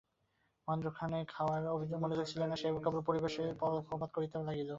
মহেন্দ্রের খাওয়ার মনোযোগ ছিল না, সে কেবল পরিবেশনে পক্ষপাত লক্ষ্য করিতে লাগিল।